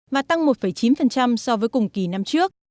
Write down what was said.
và tăng một chín so với cùng kỳ năm trước